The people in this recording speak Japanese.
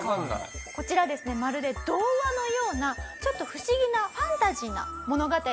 こちらですねまるで童話のようなちょっと不思議なファンタジーな物語となっております。